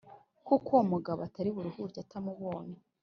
kuko uwo mugabo atari buruhuke atamubonye